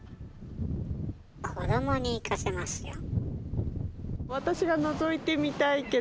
子どもに行かせますよ。